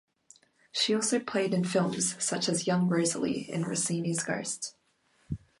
She also played in films, such as Young Rosalie in "Rossini's Ghost".